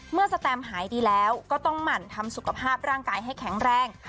สแตมหายดีแล้วก็ต้องหมั่นทำสุขภาพร่างกายให้แข็งแรง